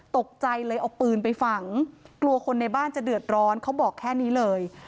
ตกใจเลยเอาปืนไปฝังกลัวคนในบ้านจะเดือดร้อนเขาบอกแค่นี้เลย